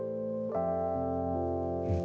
うん。